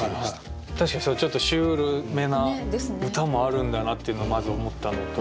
確かにそういうちょっとシュールめな歌もあるんだなっていうのまず思ったのと。